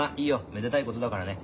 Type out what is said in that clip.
めでたいことだからね。